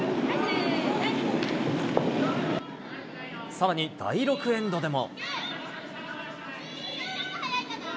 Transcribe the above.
さらに第６エンドでも。